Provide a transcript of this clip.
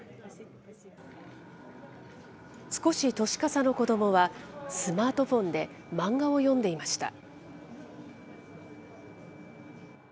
少し年かさの子どもは、スマートフォンで、漫画を読んでいました。